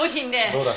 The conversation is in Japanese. どうだ。